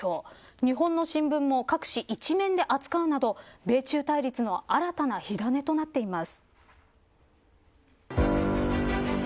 日本の新聞も各紙一面で扱うなど米中対立の新たな火種となっています。